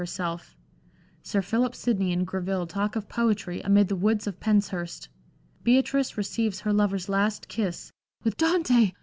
Ix herself ; Sir Philip Sidney and Greville talk of poetry amid the woods of Penshurst ; Beatrice receives her lover's last kiss with "Dante!